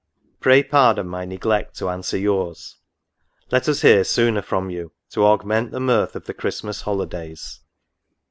Pray pardon my neglect to answer yours : let us hear sooner from you, to augment the mirth of the Christmas holidays.